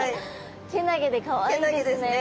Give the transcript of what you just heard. けなげでかわいいですね。